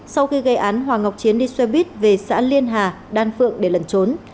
sau khi gây án hoàng ngọc chiến đi xe buýt về xã liên hà đan phượng để lẩn trốn